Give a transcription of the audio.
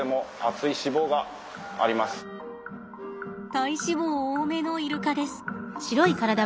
体脂肪多めのイルカです。